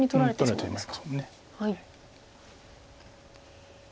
取られてしまいますもんね。